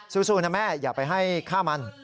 สู้นะแม่อย่าไปให้ฆ่ามัน